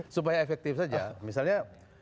supaya efektif saja misalnya